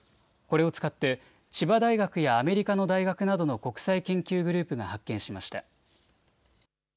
これを使って千葉大学やアメリカの大学などの国際研究グループが発見しました。